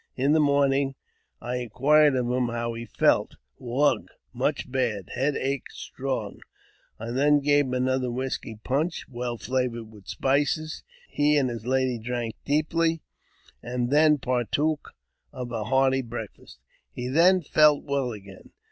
In the morning I inquired of him how he felt. " Wugh ! Much bad ! head ache strong !" I then gave him another whisky punch, well flavoured wT spices ; he and his lady drank deeply, and then partook of a i hearty breakfast. He then felt well again.